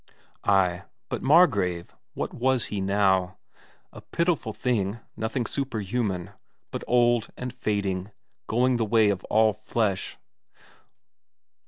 Ay, but Margrave, what was he now? A pitiful thing, nothing superhuman, but old and fading, going the way of all flesh.